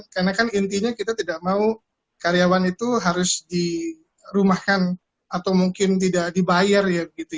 karena kan intinya kita tidak mau karyawan itu harus dirumahkan atau mungkin tidak dibayar gitu ya